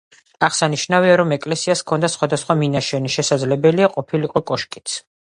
აღსანიშნავია, რომ ეკლესიას ჰქონდა სხვადასხვა მინაშენი, შესაძლებელია ყოფილიყო კოშკიც.